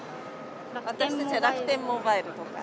私たちは楽天モバイルとか。